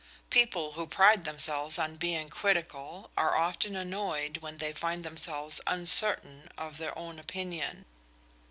People who pride themselves on being critical are often annoyed when they find themselves uncertain of their own opinion.